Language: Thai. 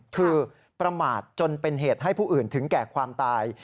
คือประมาทจนเป็นเหตุให้ผู้อื่นถึงแก่ความตาย